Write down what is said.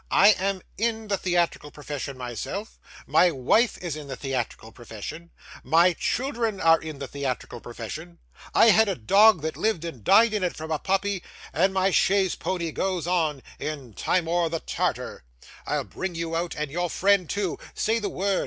'I am in the theatrical profession myself, my wife is in the theatrical profession, my children are in the theatrical profession. I had a dog that lived and died in it from a puppy; and my chaise pony goes on, in Timour the Tartar. I'll bring you out, and your friend too. Say the word.